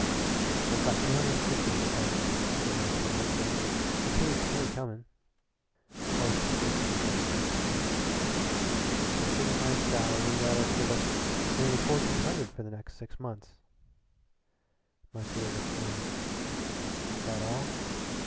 "I've got two hundred and fifty in the bank," said Marcia hopefully, "and two weeks' pay coming." Horace computed quickly. "Inducing my salary, that'll give us nearly fourteen hundred for the next six months." Marcia looked blue. "That all?